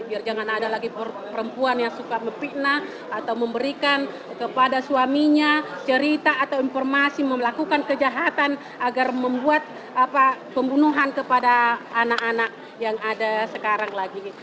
biar jangan ada lagi perempuan yang suka memikna atau memberikan kepada suaminya cerita atau informasi melakukan kejahatan agar membuat pembunuhan kepada anak anak yang ada sekarang lagi